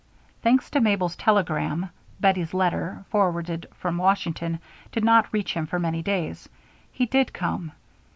Thanks to Mabel's telegram (Bettie's letter, forwarded from Washington, did not reach him for many days) he did come.